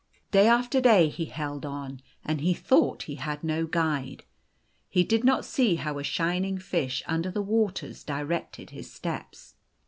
Day after day he held on, and he thought he had no guide. He did not see how a shining fish under the waters directed his steps.